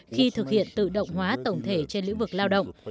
khi thực hiện tự động hóa tổng thể trên lĩnh vực lao động